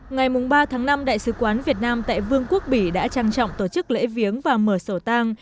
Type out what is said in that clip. ngày ba tháng năm đại sứ quán việt nam tại vương quốc bỉ đã trang trọng tổ chức lễ viếng và mở sổ tang